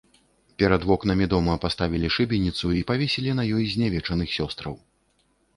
Перад вокнамі дома паставілі шыбеніцу і павесілі на ёй знявечаных сёстраў.